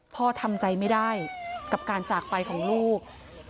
พ่อทำใจไม่ได้กับการจากไปของลูก